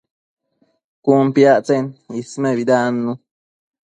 Cun piactsen ismebidannu